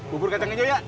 bubur kacang hijau ya